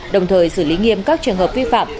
đồng thời xử lý nghiêm các trường hợp vi phạm